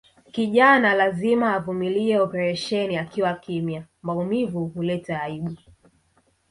Kijana lazima avumilie operesheni akiwa kimya maumivu huleta aibu